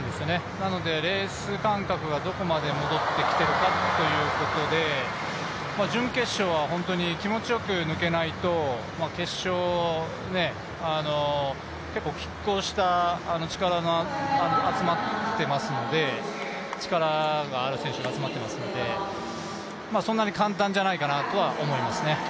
なのでレース感覚がどこまで戻ってきているかということで準決勝は気持ちよく抜けないと決勝、結構きっ抗した力がある選手が集まってますので、そんなに簡単じゃないかなと思いますね。